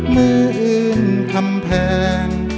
มืออื่นคำแพง